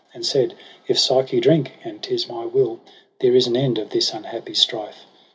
And said ' If Psyche drink, — and 'tis my will, — There is an end of this unhappy strife.